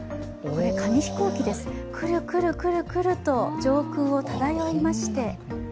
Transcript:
紙飛行機です、くるくると上空を漂いまして。